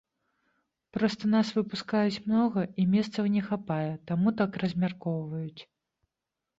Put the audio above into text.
Проста нас выпускаюць многа, і месцаў не хапае, таму так размяркоўваюць.